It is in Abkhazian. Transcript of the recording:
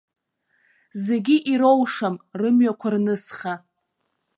Зегьы ироушам рымҩақәа рнысха.